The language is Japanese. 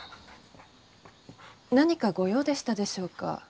何かご用でしたでしょうか？